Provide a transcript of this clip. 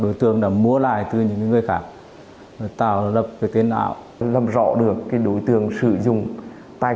đối tượng đã mua lại từ những người khác tạo lập tên ảo làm rõ được đối tượng sử dụng tài